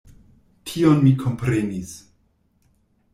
Tion mi komprenis.